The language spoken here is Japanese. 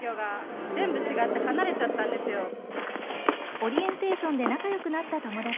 オリエンテーションで仲良くなった友達。